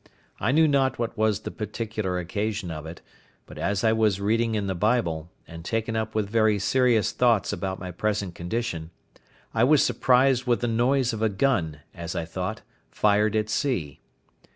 I knew not what was the particular occasion of it, but as I was reading in the Bible, and taken up with very serious thoughts about my present condition, I was surprised with the noise of a gun, as I thought, fired at sea.